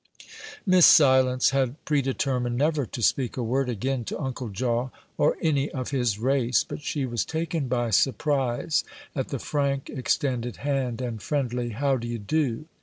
Miss Silence had predetermined never to speak a word again to Uncle Jaw or any of his race; but she was taken by surprise at the frank, extended hand and friendly "how d'ye do?"